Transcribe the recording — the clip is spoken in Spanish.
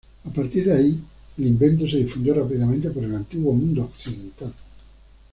A partir de allí, el invento se difundió rápidamente por el antiguo mundo Occidental.